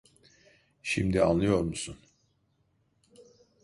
Şimdi anlıyor musun?